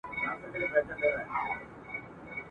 همدارنګه د «لنګم يوني» او «ګئو ماتا» تصورات هم